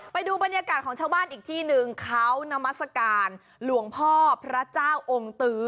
ไปดูบรรยากาศของเช้าบ้านอีกที่นึงเค้านมสการหลวงพ่อพระเจ้าองน์ตือ